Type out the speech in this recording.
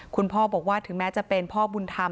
คุณพ่อบอกว่าถึงแม้จะเป็นพ่อบุญธรรม